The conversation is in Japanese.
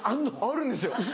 あるんですよ。